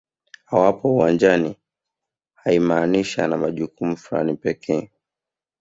Awapo uwanjani haimaanishi ana majukumu fulani pekee